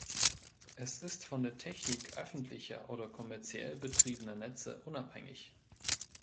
Es ist von der Technik öffentlicher oder kommerziell betriebener Netze unabhängig.